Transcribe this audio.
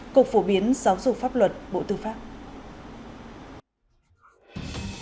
cục phổ biến giáo dục pháp luật bộ tư pháp